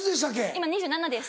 今２７歳です。